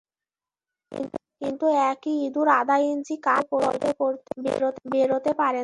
কিন্তু একই ইঁদুর আধা ইঞ্চি কাঠ গর্ত করতে বেরোতে পারে না।